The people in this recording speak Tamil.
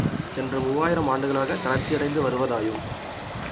சென்ற மூவாயிரம் ஆண்டுகளாகத் தளர்ச்சியடைந்து வருவதாயும்